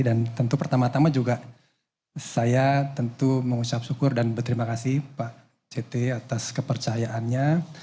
dan tentu pertama tama juga saya tentu mengucap syukur dan berterima kasih pak citi atas kepercayaannya